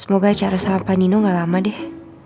semoga acara sama pak nino gak lama deh